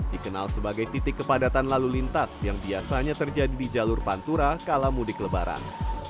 dikenal sebagai titik kepadatan lalu lintas yang biasanya terjadi di jalur pantura kala mudik lebaran